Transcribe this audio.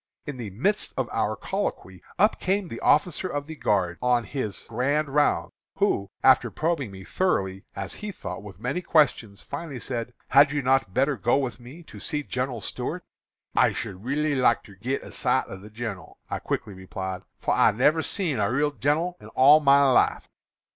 In the midst of our colloquy up came the officer of the guard on his 'grand rounds,' who, after probing me thoroughly, as he thought, with many questions, finally said, 'Had you not better go with me to see General Stuart?' "'I should reelly like ter git a sight of the gin'ral,' I quickly replied, 'for I never seen a reel gin'ral in all my life.'